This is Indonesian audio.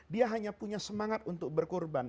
dia hanya punya semangat untuk berkurban